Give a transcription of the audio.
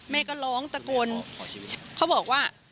แม่ก็ร้องตะโกนเขาบอกว่า